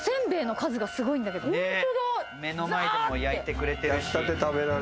目の前でも焼いてくれてるし。